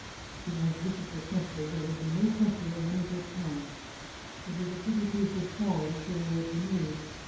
The arch bishop protested there had been no pressure of any such kind. It was a pretty piece of folly to say that to me.